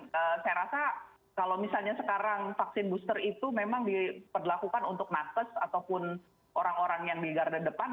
dan saya rasa kalau misalnya sekarang vaksin booster itu memang diperlakukan untuk nakes ataupun orang orang yang di garda depan